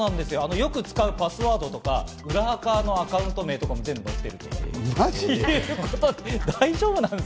よく使うパスワードとか、裏アカのアカウント名なんかも全部載せてるってことです。